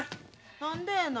何でえな。